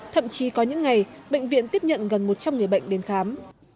thậm chí có những ngày bệnh viện tiếp nhận gần một trăm linh người bệnh đến khám